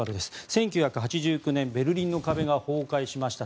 １９８９年、ベルリンの壁が崩壊しました。